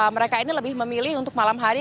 mereka ini lebih memilih untuk malam hari